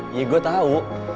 iya gue tau